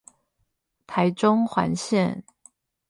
台中環線